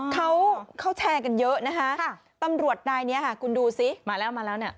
เขาเขาแชร์กันเยอะนะคะตำรวจนายนี้ค่ะคุณดูสิมาแล้วมาแล้วเนี่ย